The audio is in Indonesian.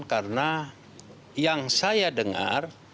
karena yang saya dengar